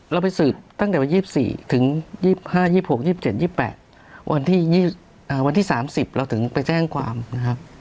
เราไปสืบตั้งแต่วัน๒๔ถึง๒๕๒๖๒๗๒๘วันที่๓๐เราถึงไปแจ้งความนะครับ